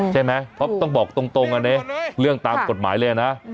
ใช่ไหมเพราะต้องบอกตรงนะเรื่องตามกฎหมายเลยนะ